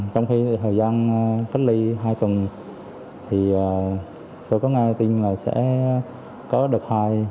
trong thời gian cách ly hai tuần tôi có nghe tin sẽ có đợt hai